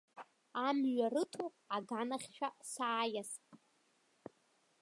Амҩа рыҭо, аганахьшәа сааиасп.